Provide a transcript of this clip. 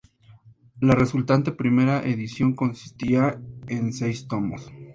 La resultante primera edición consistía en seis tomos.